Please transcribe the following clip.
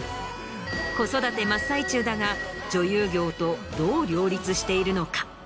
子育て真っ最中だが女優業とどう両立しているのか？